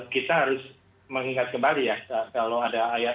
kita harus mengingat kembali ya